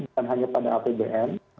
bukan hanya pada apbn